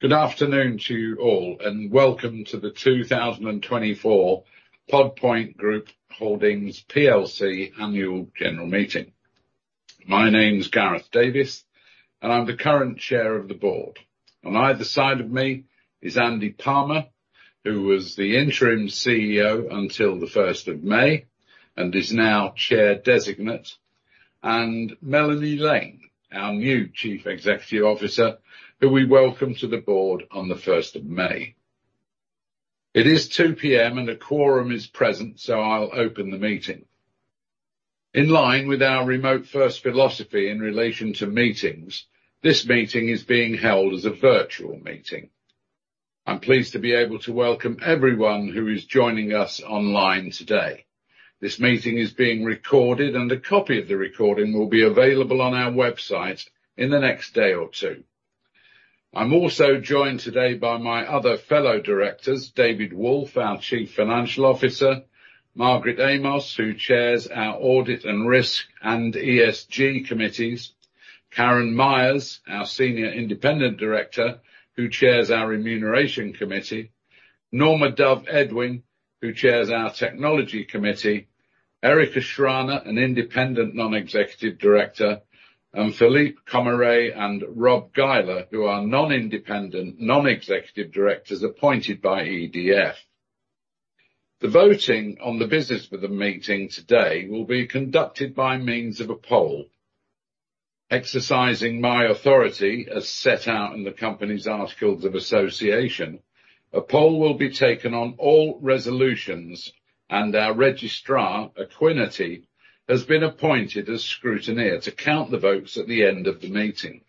Good afternoon to you all, and welcome to the 2024 Pod Point Group Holdings PLC Annual General Meeting. My name's Gareth Davis, and I'm the current Chair of the Board. On either side of me is Andy Palmer, who was the Interim CEO until the first of May, and Melanie Lane, our new Chief Executive Officer, who we welcomed to the Board on the first of May. It is 2:00 P.M., and a quorum is present, so I'll open the meeting. In line with our remote-first philosophy in relation to meetings, this meeting is being held as a virtual meeting. I'm pleased to be able to welcome everyone who is joining us online today. This meeting is being recorded, and a copy of the recording will be available on our website in the next day or two. I'm also joined today by my other fellow directors, David Wolffe, our Chief Financial Officer, Margaret Amos, who chairs our Audit and Risk and ESG committees, Karen Myers, our Senior Independent Director, who chairs our Remuneration Committee, Norma Dove-Edwin, who chairs our Technology Committee, Erika Schraner, an Independent Non-Executive Director, and Philippe Commaret and Rob Guyler, who are Non-Independent Non-Executive Directors appointed by EDF. The voting on the business for the meeting today will be conducted by means of a poll. Exercising my authority as set out in the company's Articles of Association, a poll will be taken on all resolutions, and our registrar, Equiniti, has been appointed as scrutineer to count the votes at the end of the meeting.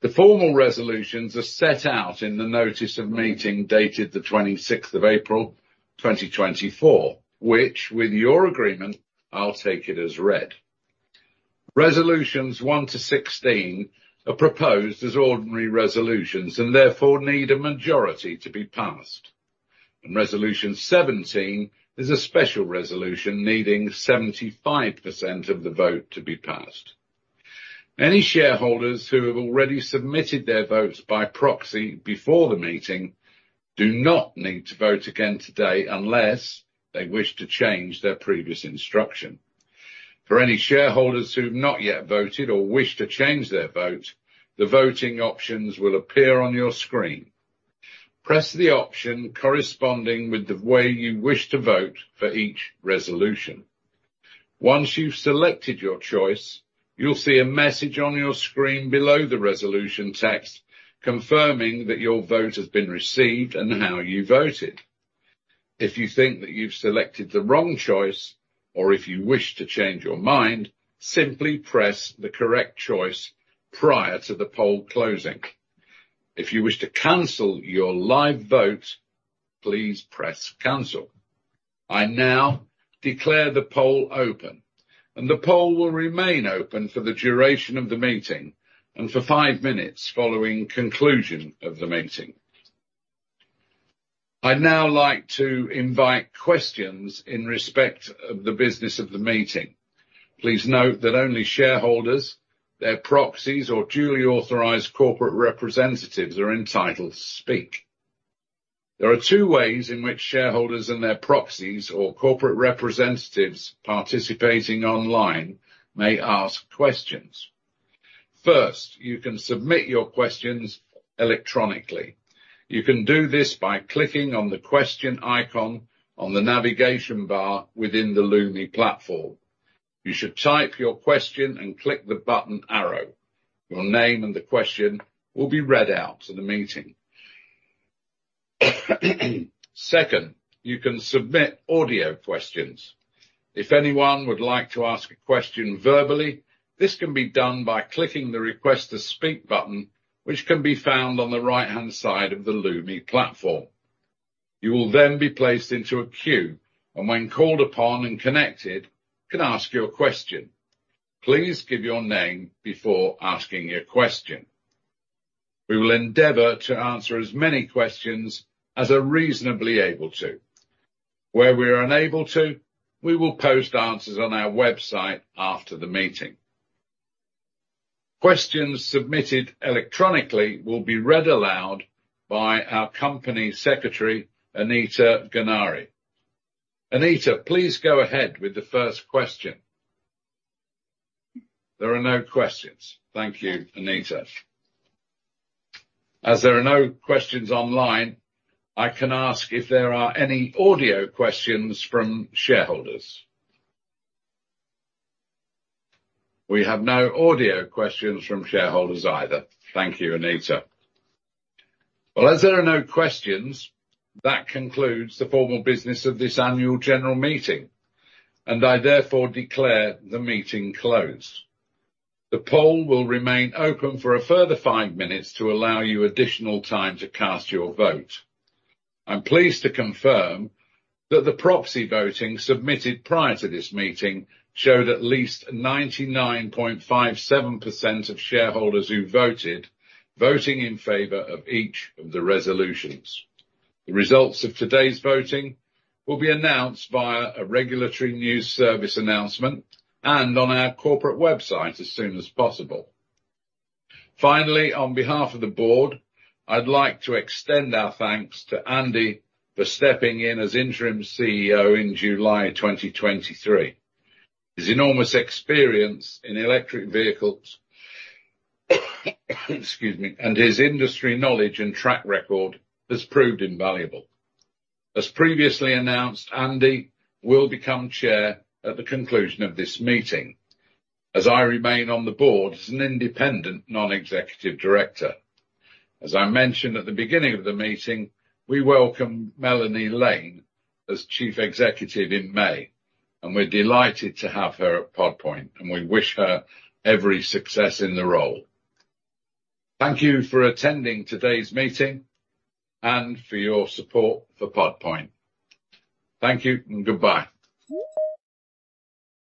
The formal resolutions are set out in the notice of meeting, dated the twenty-sixth of April, twenty twenty-four, which, with your agreement, I'll take it as read. Resolutions 1 to 16 are proposed as ordinary resolutions and therefore need a majority to be passed, and Resolution 17 is a special resolution, needing 75% of the vote to be passed. Any shareholders who have already submitted their votes by proxy before the meeting do not need to vote again today unless they wish to change their previous instruction. For any shareholders who've not yet voted or wish to change their vote, the voting options will appear on your screen. Press the option corresponding with the way you wish to vote for each resolution. Once you've selected your choice, you'll see a message on your screen below the resolution text, confirming that your vote has been received and how you voted. If you think that you've selected the wrong choice, or if you wish to change your mind, simply press the correct choice prior to the poll closing. If you wish to cancel your live vote, please press Cancel. I now declare the poll open, and the poll will remain open for the duration of the meeting and for five minutes following conclusion of the meeting. I'd now like to invite questions in respect of the business of the meeting. Please note that only shareholders, their proxies, or duly authorized corporate representatives are entitled to speak. There are two ways in which shareholders and their proxies or corporate representatives participating online may ask questions. First, you can submit your questions electronically. You can do this by clicking on the question icon on the navigation bar within the Lumi platform. You should type your question and click the button arrow. Your name and the question will be read out in the meeting. Second, you can submit audio questions. If anyone would like to ask a question verbally, this can be done by clicking the Request to Speak button, which can be found on the right-hand side of the Lumi platform. You will then be placed into a queue and, when called upon and connected, can ask your question. Please give your name before asking your question. We will endeavor to answer as many questions as are reasonably able to. Where we are unable to, we will post answers on our website after the meeting. Questions submitted electronically will be read aloud by our Company Secretary, Anita Guernari. Anita, please go ahead with the first question. There are no questions. Thank you, Anita. As there are no questions online, I can ask if there are any audio questions from shareholders. We have no audio questions from shareholders either. Thank you, Anita. Well, as there are no questions, that concludes the formal business of this annual general meeting, and I therefore declare the meeting closed. The poll will remain open for a further five minutes to allow you additional time to cast your vote. I'm pleased to confirm that the proxy voting submitted prior to this meeting showed at least 99.57% of shareholders who voted, voting in favor of each of the resolutions. The results of today's voting will be announced via a Regulatory News Service announcement and on our corporate website as soon as possible. Finally, on behalf of the Board, I'd like to extend our thanks to Andy for stepping in as Interim CEO in July 2023. His enormous experience in electric vehicles, excuse me, and his industry knowledge and track record has proved invaluable. As previously announced, Andy will become Chair at the conclusion of this meeting, as I remain on the Board as an Independent Non-Executive Director. As I mentioned at the beginning of the meeting, we welcome Melanie Lane as Chief Executive in May, and we're delighted to have her at Pod Point, and we wish her every success in the role. Thank you for attending today's meeting and for your support for Pod Point. Thank you and goodbye.